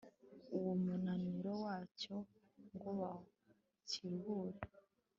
umunaniro wacyo ngo bakiruhure